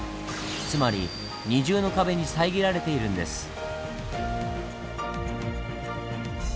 つまり二重の壁に遮られているんです。